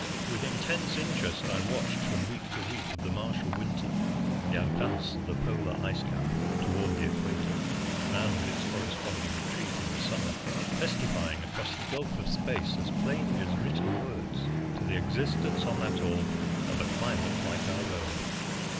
With intense interest I watched from week to week of the Martial winter the advance of the polar ice cap toward the equator, and its corresponding retreat in the summer; testifying across the gulf of space as plainly as written words to the existence on that orb of a climate like our own.